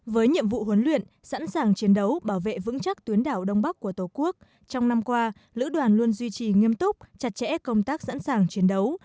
với nhiệm vụ huấn luyện sẵn sàng chiến đấu bảo vệ vững chắc tuyến đảo đông bắc của tổ quốc trong năm qua lữ đoàn luôn duy trì nghiêm túc chặt chẽ công tác sẵn sàng chiến đấu